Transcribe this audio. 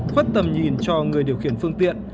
khuất tầm nhìn cho người điều khiển phương tiện